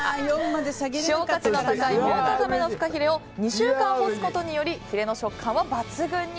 希少価値の高いモウカザメのフカヒレを２週間干すことによりヒレの食感は抜群に。